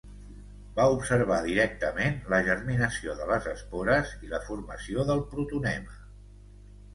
Va observar directament la germinació de les espores i la formació del protonema.